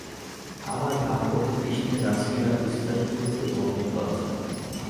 আবার ভাগবতে কৃষ্ণের রাসলীলা বিস্তারিতরূপে বর্ণিত আছে।